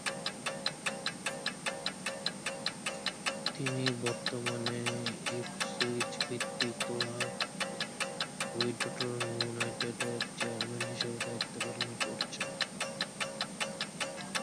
তিনি বর্তমানে ইপসউইচ ভিত্তিক ক্লাব হুইটটন ইউনাইটেডের চেয়ারম্যান হিসেবে দায়িত্ব পালন করছেন।